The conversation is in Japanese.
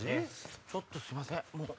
ちょっとすいません。